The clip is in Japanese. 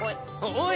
おい！